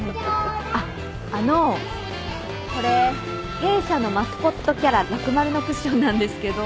あっあのこれ弊社のマスコットキャララク丸のクッションなんですけど。